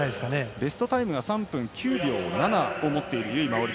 ベストタイムが３分９秒７を持っている由井真緒里。